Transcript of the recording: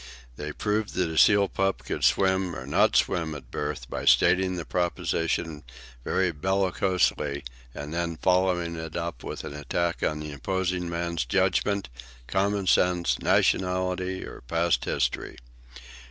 They proved that a seal pup could swim or not swim at birth by stating the proposition very bellicosely and then following it up with an attack on the opposing man's judgment, common sense, nationality, or past history.